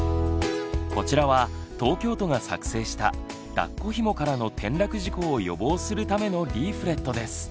こちらは東京都が作成しただっこひもからの転落事故を予防するためのリーフレットです。